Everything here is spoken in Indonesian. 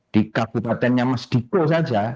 di kabupatennya mas diko saja